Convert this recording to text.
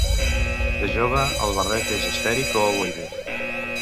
De jove, el barret és esfèric o ovoide.